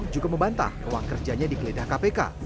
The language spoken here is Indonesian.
juga membantah ruang kerjanya di geledah kpk